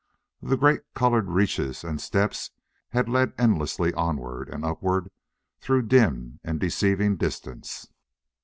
The great colored reaches and steps had led endlessly onward and upward through dim and deceiving distance.